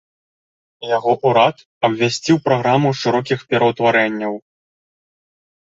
Яго ўрад абвясціў праграму шырокіх пераўтварэнняў.